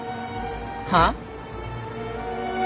はあ？